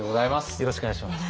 よろしくお願いします。